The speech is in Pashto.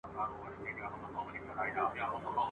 اوس لکه چي ستا د جنازې تر ورځي پاته یم ..